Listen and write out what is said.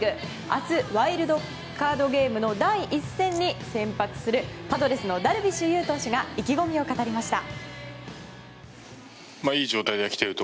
明日、ワイルドカードゲームの第１戦に先発するパドレスのダルビッシュ有投手が意気込みを語りました。